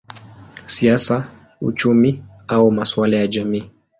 siasa, uchumi au masuala ya jamii.